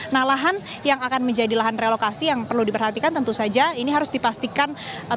nah lahan yang akan menjadi lahan relokasi yang perlu diperhatikan tentu saja ini harus dipastikan